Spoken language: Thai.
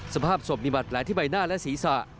สภาพสมมิตรหลายที่ใบหน้าและศีรษะ